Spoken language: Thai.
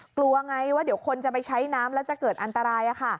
กลัวไงว่าเดี๋ยวคนจะไปใช้น้ำแล้วจะเกิดอันตราย